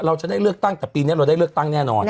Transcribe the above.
เราจะได้เลือกตั้งแต่ปีนี้เราได้เลือกตั้งแน่นอน